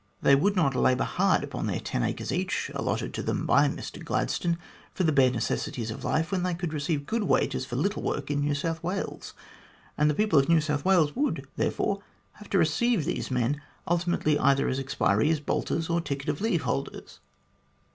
They would not labour hard upon their 10 acres each, allotted to them by Mr Gladstone, for the bare necessaries of life, when they could receive good wages for little work in New South Wales, and the people of New South Wales would, therefore, have to receive these men ultimately either as expirees, bolters, or ticket of leave holders.